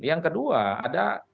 yang kedua ada